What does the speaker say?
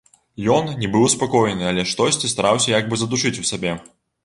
Ён не быў спакойны, але штосьці стараўся як бы задушыць у сабе.